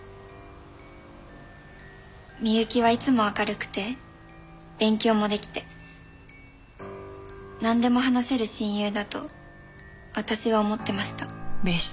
美雪はいつも明るくて勉強も出来てなんでも話せる親友だと私は思ってました。